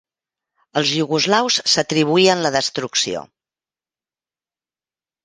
Els iugoslaus s'atribuïen la destrucció.